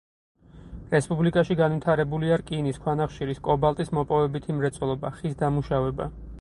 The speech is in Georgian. რესპუბლიკაში განვითარებულია რკინის, ქვანახშირის, კობალტის მოპოვებითი მრეწველობა, ხის დამუშავება.